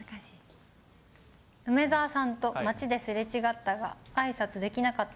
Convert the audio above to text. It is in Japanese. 梅澤さんと町ですれ違ったが、あいさつできなかった。